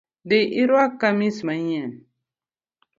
Dhi iruak kamis manyien